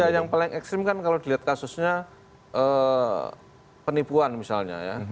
ya yang paling ekstrim kan kalau dilihat kasusnya penipuan misalnya ya